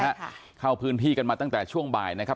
ค่ะเข้าพื้นที่กันมาตั้งแต่ช่วงบ่ายนะครับ